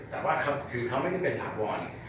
แต่ว่าคือเขาไม่ได้เป็นถาวร